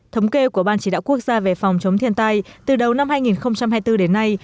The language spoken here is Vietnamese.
thống kê của ban chỉ đạo quốc gia về phòng chống thiên tai từ đầu năm hai nghìn hai mươi bốn đến nay